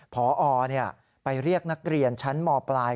พอไปเรียกนักเรียนชั้นมปลาย